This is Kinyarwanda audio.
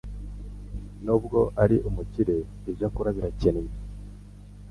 Nubwo ari umukire ibyo akora birakennye